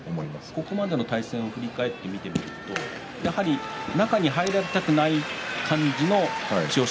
ここまでの対戦を振り返ってみると中に入られたくない感じの千代翔